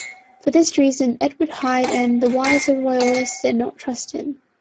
For this reason Edward Hyde and the wiser Royalists did not trust him.